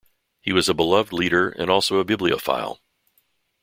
He was a beloved leader and also a bibliophile.